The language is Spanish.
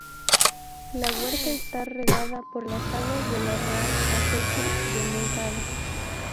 La huerta está regada por las aguas de la Real Acequia de Moncada.